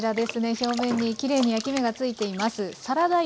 表面にきれいに焼き目が付いています。